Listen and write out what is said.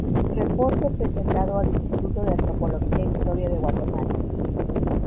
Reporte presentado al Instituto de Antropología e Historia de Guatemala.